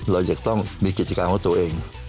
เราจะต้องมีกิจการของตัวเอง